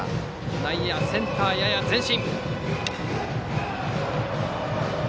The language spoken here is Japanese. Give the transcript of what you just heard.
内野はセンターやや前進。